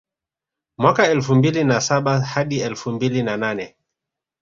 Mwaka elfu mbili na saba hadi elfu mbili na nane